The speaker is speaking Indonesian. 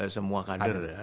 semua kader ya